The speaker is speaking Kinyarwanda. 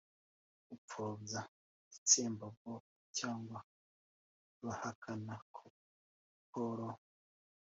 gupfobya itsembabwoko cyangwa abahakana ko paul